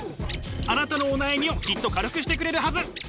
あなたのお悩みをきっと軽くしてくれるはず。